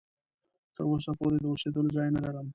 تر اوسه پوري د اوسېدلو ځای نه لرم.